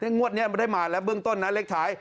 นี่งวดนี่มันได้มาแล้วเบื้องต้นนั้นเล็กท้าย